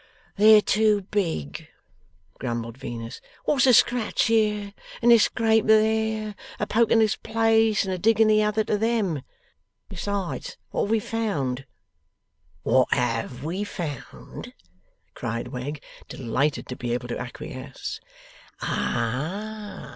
'They're too big,' grumbled Venus. 'What's a scratch here and a scrape there, a poke in this place and a dig in the other, to them. Besides; what have we found?' 'What HAVE we found?' cried Wegg, delighted to be able to acquiesce. 'Ah!